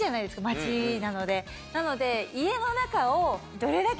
街なのでなので。